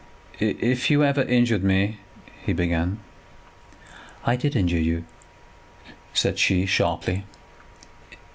"If you ever injured me " he began. "I did injure you," said she, sharply.